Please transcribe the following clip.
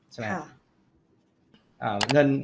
ใช่ไหมครับ